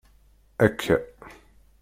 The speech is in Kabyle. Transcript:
Akka.